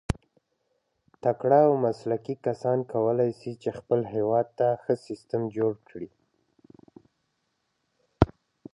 تکړه او مسلکي کسان کولای سي، چي خپل هېواد ته ښه سیسټم جوړ کي.